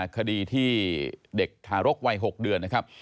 คดีที่เด็กทารกวัย๖เดือนนะครับ